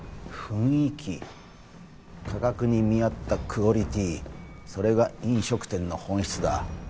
雰囲気価格に見合ったクオリティーそれが飲食店の本質だ。